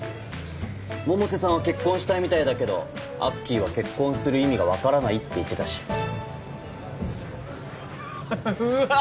百瀬さんは結婚したいみたいだけどアッキーは結婚する意味がわからないって言ってたしうわっ